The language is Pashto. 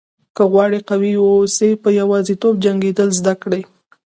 که غواړئ قوي واوسئ په یوازیتوب جنګېدل زده کړئ.